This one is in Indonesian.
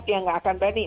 dia nggak akan berani